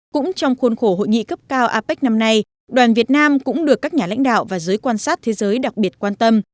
cũng trong khuôn khổ hội nghị cấp cao apec năm nay đoàn việt nam cũng được các nhà lãnh đạo và giới quan sát thế giới đặc biệt quan tâm